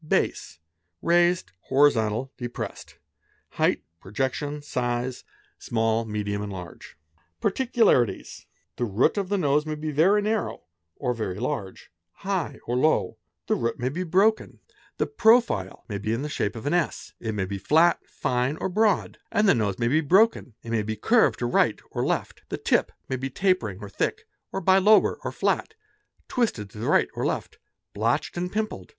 Base: raised, horizontal, depressed. Height: . Projection: small, medium, large. Svze: |; i" MTICULARITIES.—The root of the nose may be very narrow; or very rge; high or low: the root may be broken. 302 PRACTICES OF CRIMINALS The profile may be in the shape of an S: it may be flat, fine, or broad ; or the nose may be broken: 1t may be curved to right © or left. : The tip may be tapering, or thick, or bi lobar, or flat; twisted to — right or left; blotched and pimpled.